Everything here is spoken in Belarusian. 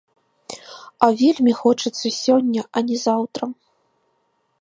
А вельмі хочацца сёння, а не заўтра.